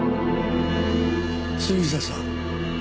杉下さん。